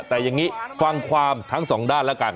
แต่อย่างงี้ฟังความทั้ง๒ด้านล่ะกัน